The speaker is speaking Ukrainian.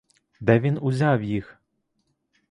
Де він узяв їх?